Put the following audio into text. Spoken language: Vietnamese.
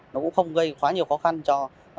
nó cũng không gây quá nhiều khó khăn cho